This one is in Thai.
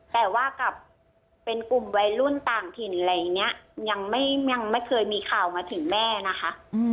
แต่ว่ากลับเป็นกลุ่มวัยรุ่นต่างถิ่นอะไรอย่างนี้ยังไม่เคยมีข่าวมาถึงแม่นะคะ